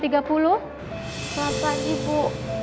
selamat pagi bu